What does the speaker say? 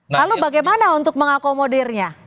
lalu bagaimana untuk mengakomodirnya